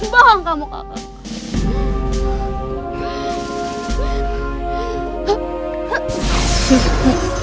bahan kamu kakak